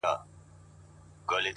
د کاغذ پرې کېدل تل یو ناڅاپي غږ لري؛